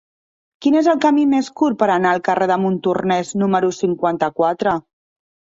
Quin és el camí més curt per anar al carrer de Montornès número cinquanta-quatre?